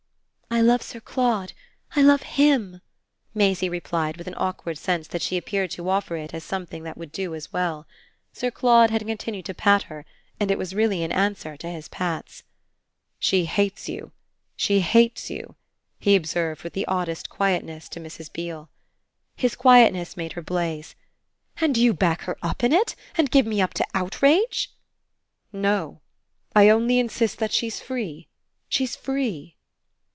"I love Sir Claude I love HIM," Maisie replied with an awkward sense that she appeared to offer it as something that would do as well. Sir Claude had continued to pat her, and it was really an answer to his pats. "She hates you she hates you," he observed with the oddest quietness to Mrs. Beale. His quietness made her blaze. "And you back her up in it and give me up to outrage?" "No; I only insist that she's free she's free."